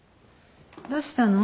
どうしたの？